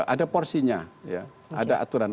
ada porsinya ada aturan